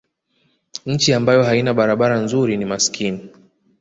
nchi ambayo haina barabara nzuri ni masikini